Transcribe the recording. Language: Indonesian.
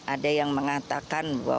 ada yang sengaja berbunyi